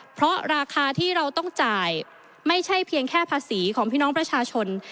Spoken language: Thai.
เพราะราคาที่เราต้องจ่ายไม่ใช่เพียงแค่ภาษีของพี่น้องประชาชน